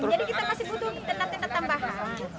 jadi kita masih butuh tenda tenda tambahan